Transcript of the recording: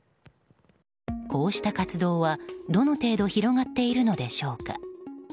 こうした活動は、どの程度広がっているのでしょうか。